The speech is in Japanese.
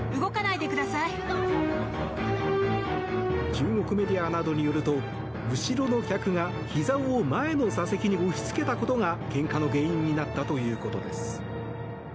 中国メディアなどによると後ろの客がひざを前の座席に押し付けたことがけんかの原因になったということです。